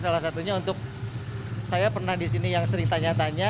salah satunya saya yang kesini saling tanya tanya chatting